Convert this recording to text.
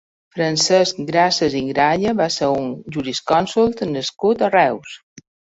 Francesc Grases i Gralla va ser un jurisconsult nascut a Reus.